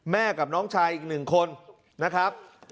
แม่กับน้องชายอีก๑คนนะครับ